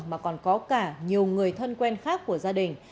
mà còn có cả nhiều người thân quen khác của gia đình